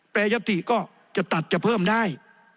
ปัญญาติก็จะตัดจะเพิ่มได้